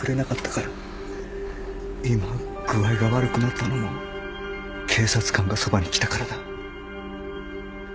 今具合が悪くなったのも警察官がそばに来たからだ。